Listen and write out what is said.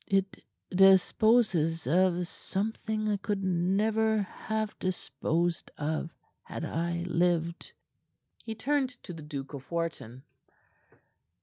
It disposes of something I could never have disposed of had I lived." He turned to the Duke of Wharton.